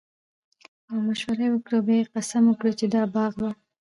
نو مشوره ئي وکړه، او بيا ئي قسم وکړو چې دا باغ به